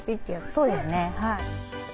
そうですねはい。